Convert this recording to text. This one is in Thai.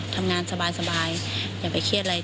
ทำงานสบายอย่าไปเครียดอะไร